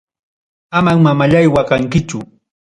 Amam mamallay waqankichu.